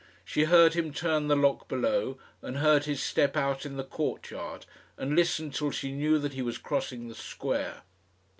She heard him turn the lock below, and heard his step out in the courtyard, and listened till she knew that he was crossing the square.